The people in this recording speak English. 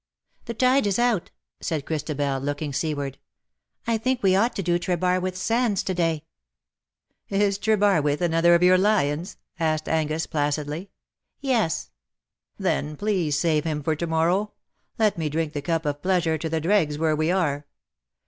'^" The tide is out/^ said Christabel, looking sea ward ;" I think we ought to do Trebarwith sands to day." '^ Is Trebarwith another of your lions ?" asked AnguSj placidly. " Yes.'' " Then, please save him for to morrow. Let me drink the cup of pleasure to the dregs where we are.